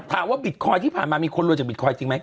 ถามว่าบิตคอยที่ผ่านมามีคนรวยมาจากบิตคอยจึงไหม